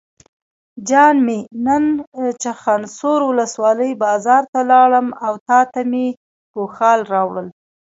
جان مې نن چخانسور ولسوالۍ بازار ته لاړم او تاته مې ګوښال راوړل.